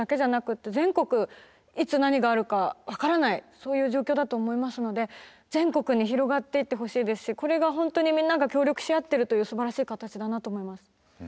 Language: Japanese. そういう状況だと思いますので全国に広がっていってほしいですしこれが本当にみんなが協力し合ってるというすばらしい形だなと思います。